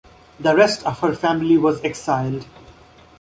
The rest of her family was exiled.